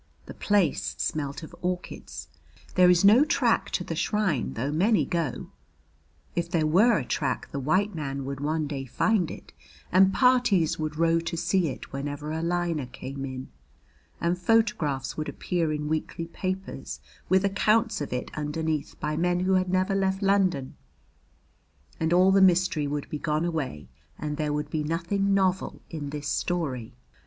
The place smelt of orchids. There is no track to the shrine though many go. If there were a track the white man would one day find it, and parties would row to see it whenever a liner came in; and photographs would appear in weekly papers with accounts of it underneath by men who had never left London, and all the mystery would be gone away and there would be nothing novel in this story.